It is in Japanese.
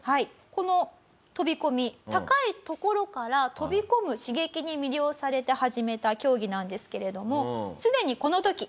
この飛込高い所から飛び込む刺激に魅了されて始めた競技なんですけれどもすでにこの時。